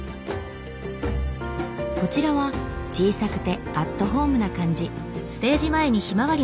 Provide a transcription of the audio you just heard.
こちらは小さくてアットホームな感じ。